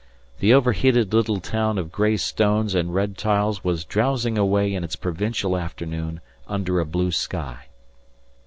The overheated little town of gray stones and red tiles was drowsing away its provincial afternoon under a blue sky.